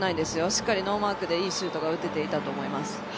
しっかりノーマークでいいシュートが打てていたと思います。